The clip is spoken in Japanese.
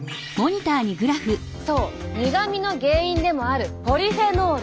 そう苦みの原因でもあるポリフェノール。